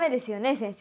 先生。